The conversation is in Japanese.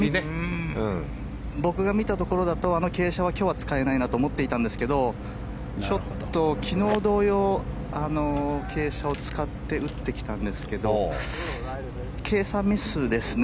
僕が見たところだとあの傾斜は使えないと思ていたんですがちょっと昨日同様傾斜を使って打ってきたんですけど計算ミスですね